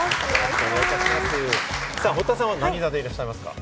堀田さんは何座でいらっしゃいますか？